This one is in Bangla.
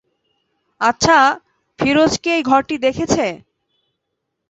আচ্ছা, ফিরোজ কি এই ঘরটি দেখেছে?